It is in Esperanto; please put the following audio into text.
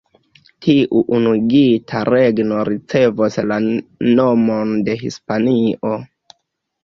Tiu unuigita regno ricevos la nomon de Hispanio.